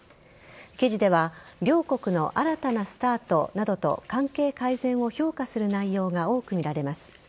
記事では両国の新たなスタートをなどと関係改善を評価する内容が多く見られます。